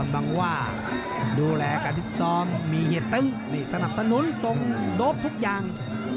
บังว่าดูแลการที่ซ้อมมีเหตุในสนับสนุนส่งโดบทุกอย่าง